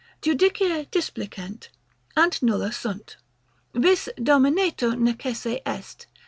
Judicia displicent, ant nulla sunt. Vis dominetur necesse est.